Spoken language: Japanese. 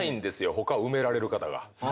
他埋められる方が。